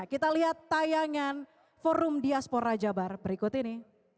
kita lihat tayangan forum diaspora jabar berikut ini